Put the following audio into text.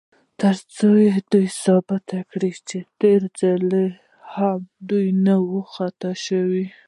تر څو دا ثابته کړي، چې تېر ځل هم دوی نه و خطا شوي.